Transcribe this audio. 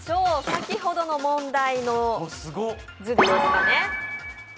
先ほどの問題の図です。